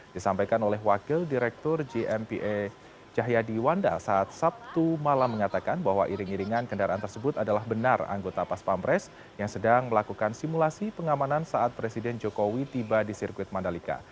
disampaikan oleh wakil direktur gmpia jahyadi wanda saat sabtu malam mengatakan bahwa iring iringan kendaraan tersebut adalah benar anggota pas pampres yang sedang melakukan simulasi pengamanan saat presiden jokowi tiba di sirkuit mandalika